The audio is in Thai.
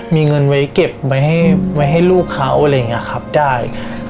มีเงินไว้เก็บไว้ให้ลูกเขาอะไรอย่างนี้ครับได้